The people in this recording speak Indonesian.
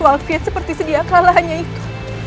wafiat seperti sedia kalahnya itu